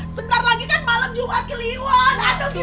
sebentar lagi kan malam jumat keliruan